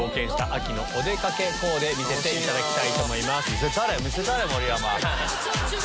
見せたれ見せたれ！盛山。